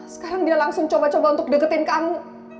sekarang dia langsung coba coba untuk deketin kamu